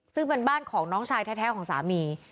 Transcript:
ซึ่งเป็นบ้านของน้องชายแท้ของสามี